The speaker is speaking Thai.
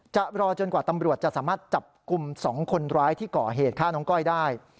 รอจนกว่าตำรวจจะสามารถจับกลุ่ม๒คนร้ายที่ก่อเหตุฆ่าน้องก้อยได้